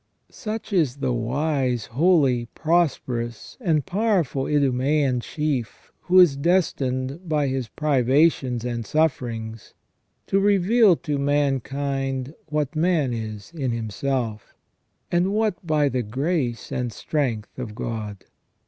Such is the wise, holy, prosperous, and powerful Idumean chief, who is destined, by his privations and suflFerings, to reveal to mankind what man is in himself, and what by the grace and strength of God.